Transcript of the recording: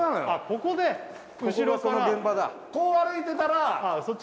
ここで後ろからここがその現場だこう歩いてたらあっ